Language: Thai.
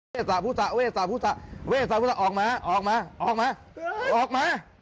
เวสาพุสะออกมาโอ๊ยโอ๊ย